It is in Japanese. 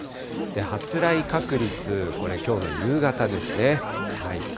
発雷確率、これ、きょうの夕方ですね。